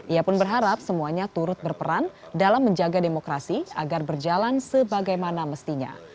ia pun berharap semuanya turut berperan dalam menjaga demokrasi agar berjalan sebagaimana mestinya